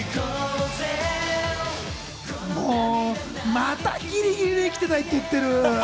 またギリギリで生きてたいって言ってる。